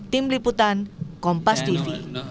tim liputan kompas tv